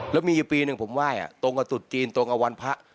แล้วมีอยู่ปีหนึ่งผมไหว้ตรงกับตุดจีนตรงกับวันพระ